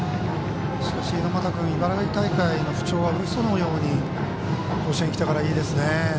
猪俣君、茨城大会の不調がうそのように甲子園来てからいいですね。